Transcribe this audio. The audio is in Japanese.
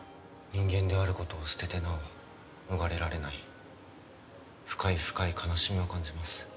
人間であることを捨ててなお逃れられない深い深い悲しみを感じます。